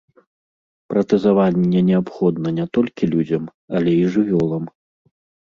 Пратэзаванне неабходна не толькі людзям, але і жывёлам.